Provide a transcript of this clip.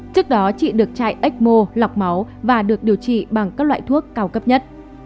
trước đó chị được chạy ecmo lọc máu và được điều trị bằng các loại thuốc cao cấp nhất